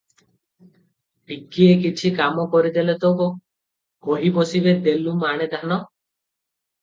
ଟିକିଏ କିଛି କାମ କରିଦେଲେ ତ, କହି ବସିବେ ଦେଲୁ ମାଣେ ଧାନ ।